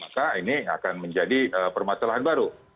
maka ini akan menjadi permasalahan baru